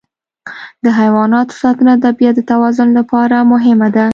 د حیواناتو ساتنه د طبیعت د توازن لپاره مهمه ده.